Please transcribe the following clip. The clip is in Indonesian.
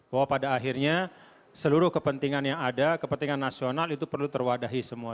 bahwa pada akhirnya seluruh kepentingan yang ada kepentingan nasional itu perlu terwadahi semua